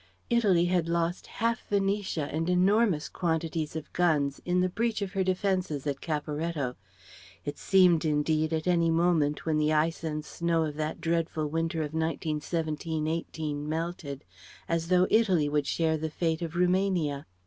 Italy had lost half Venetia and enormous quantities of guns in the breach of her defences at Caporetto. It seemed indeed at any moment, when the ice and snow of that dreadful winter of 1917 18 melted, as though Italy would share the fate of Rumania.